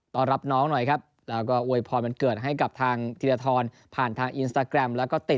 ต้อนรับน้องหน่อยและอวยพรมนั่นเกิดให้กับธิรทรผ่านทางอินสตาร์กรัม